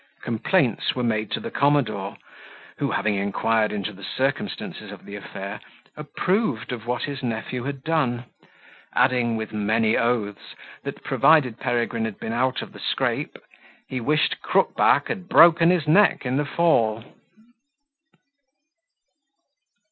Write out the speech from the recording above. Complaints were made to the commodore, who, having inquired into the circumstances of the affair, approved of what his nephew had done, adding, with many oaths, that provided Peregrine had been out of the scrape, he wished Crook back had broken his neck in the fall.